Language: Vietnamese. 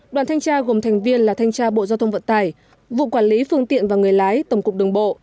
đoàn thanh tra gồm thành viên là thanh tra bộ giao thông vận tải vụ quản lý phương tiện và người lái tổng cục đường bộ